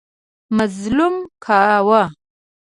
مزلمو کاوه.